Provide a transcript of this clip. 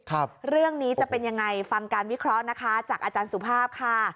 เรื่องนี้จะเป็นยังไงฟังการวิเคราะห์นะคะจากอาจารย์สุภาพค่ะ